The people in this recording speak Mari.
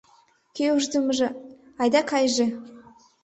Кӧ ушдымыжо айда кайыже.